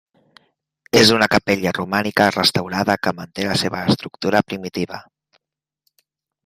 És una capella romànica restaurada que manté la seva estructura primitiva.